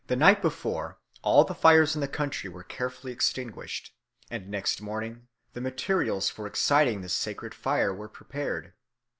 "The night before, all the fires in the country were carefully extinguished, and next morning the materials for exciting this sacred fire were prepared.